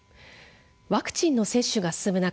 ワクチンの接種が進む中